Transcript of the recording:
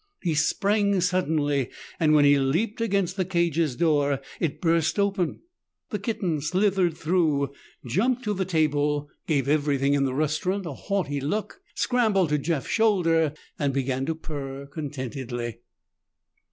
He sprang suddenly, and when he leaped against the cage's door, it burst open. The kitten slithered through, jumped to the table, gave everything in the restaurant a haughty look, scrambled to Jeff's shoulder and began to purr contentedly.